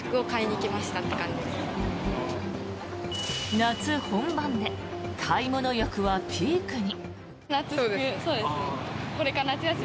夏本番で買い物欲はピークに。